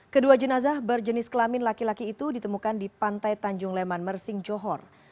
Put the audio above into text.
kedua jenazah berjenis kelamin laki laki itu ditemukan di pantai tanjung leman mersing johor